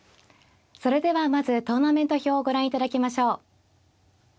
それではまずトーナメント表をご覧いただきましょう。